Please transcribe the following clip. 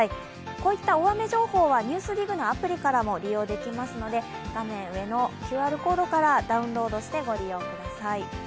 こういった大雨情報は「ＮＥＷＳＤＩＧ」のアプリからも利用できますので、画面上のＱＲコードからダウンロードしてご利用ください。